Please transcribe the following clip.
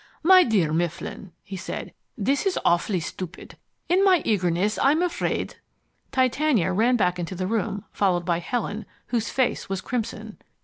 "My dear Mifflin," he said, "this is awfully stupid. In my eagerness, I'm afraid " Titania ran back into the room, followed by Helen, whose face was crimson.